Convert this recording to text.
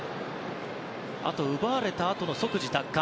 あと、奪われたあとの即時奪還。